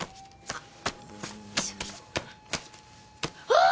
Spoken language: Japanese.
あっ！